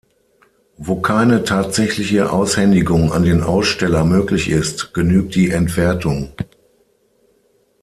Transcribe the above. Wo keine tatsächliche Aushändigung an den Aussteller möglich ist, genügt die Entwertung.